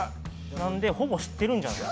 なんでほぼ知ってるんじゃないか